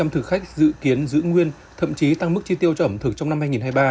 năm mươi thực khách dự kiến giữ nguyên thậm chí tăng mức chi tiêu cho ẩm thực trong năm hai nghìn hai mươi ba